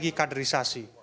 dan juga mengadrisasi